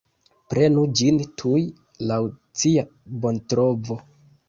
Prenu ĝin tuj, laŭ cia bontrovo.